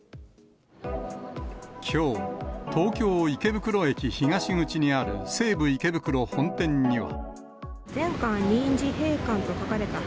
きょう、東京・池袋駅東口にある西武池袋本店には。